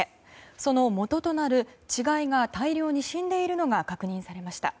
そのもととなる稚貝が大量に死んでいるのが確認されました。